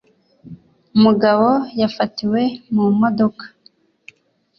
mugabo yafatiwe mu modoka